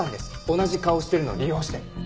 同じ顔をしているのを利用して。